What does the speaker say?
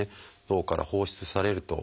脳から放出されると。